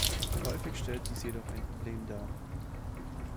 Häufig stellt dies jedoch ein Problem dar.